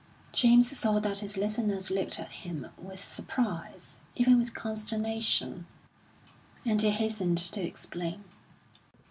James saw that his listeners looked at him with surprise, even with consternation; and he hastened to explain.